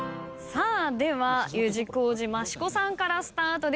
ではＵ字工事益子さんからスタートです。